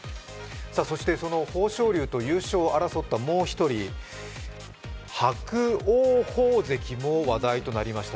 そしてその豊昇龍と優勝を争ったもう１人、伯桜鵬関も話題となりました。